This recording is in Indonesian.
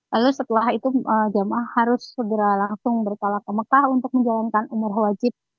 lalu setelah itu jamaah harus segera langsung bertolak ke mekah untuk menjalankan umur wajib